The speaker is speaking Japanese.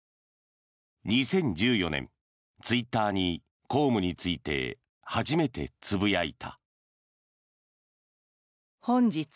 ２０１４年、ツイッターに公務について初めてつぶやいた。